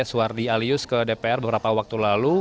suhardi alyus ke dpr beberapa waktu lalu